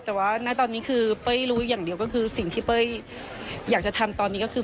แต่ว่าณตอนนี้คือเป้ยรู้อย่างเดียวก็คือสิ่งที่เป้ยอยากจะทำตอนนี้ก็คือ